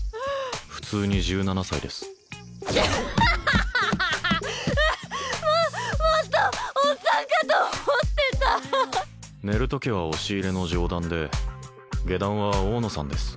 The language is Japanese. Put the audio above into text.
普通に１７歳ですアハハハハハ！ももっとおっさんかと思ってた寝るときは押し入れの上段で下段は大野さんです